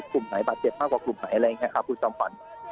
กลุ่มไหนบาดเจ็บมากกว่ากลุ่มไหนอะไรอย่างนี้ครับคุณจอมฝัน